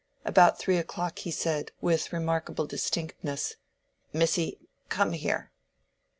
About three o'clock he said, with remarkable distinctness, "Missy, come here!"